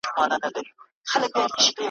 خو حبیبي دا زنجیر ماتاوه.